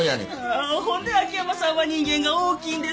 ほんで秋山さんは人間が大きいんですね。